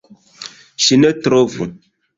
Ŝi ne trovu!